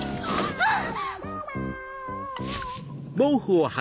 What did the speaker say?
あっ！